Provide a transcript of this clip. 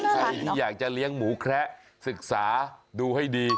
ใครที่อยากจะเลี้ยงหมูแคระศึกษาดูให้ดี